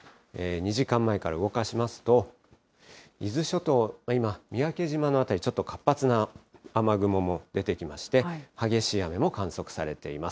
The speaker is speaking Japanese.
２時間前から動かしますと、伊豆諸島、今、三宅島の辺り、ちょっと活発な雨雲も出てきまして、激しい雨も観測されています。